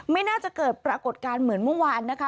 ไม่น่าจะเกิดปรากฏการณ์เหมือนเมื่อวานนะคะ